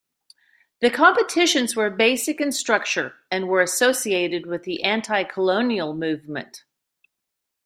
The competitions were basic in structure, and were associated with the anti-colonial movement.